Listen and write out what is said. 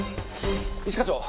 一課長。